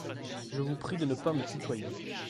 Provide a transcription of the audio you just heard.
Je vous prie de ne pas me tutoyer.